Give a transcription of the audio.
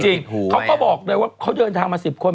เขาก็บอกเลยว่าเขาเดินทางมา๑๐คน